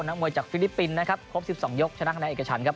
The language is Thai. ทั้งมวยคู่ชกก็ลายนี้ก็รู้สึกว่าประสบความไม่ต้องหัวครับ